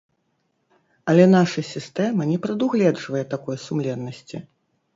Але наша сістэма не прадугледжвае такой сумленнасці.